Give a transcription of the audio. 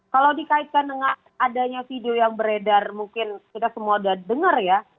kalau dikaitkan dengan adanya video yang beredar mungkin kita semua sudah dengar ya